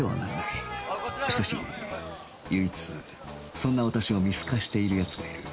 しかし唯一そんな私を見透かしている奴がいる